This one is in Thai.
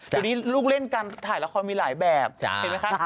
เดี๋ยวนี้ลูกเล่นการถ่ายละครมีหลายแบบเห็นไหมคะ